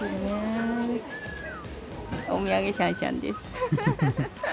お土産シャンシャンです。